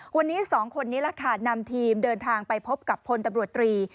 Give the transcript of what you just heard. วันนี้สองคนนี้แหละค่ะนำทีมเดินทางไปพบกับพลตำรวจตรี